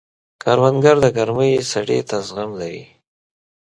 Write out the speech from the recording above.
کروندګر د ګرمۍ سړې ته زغم لري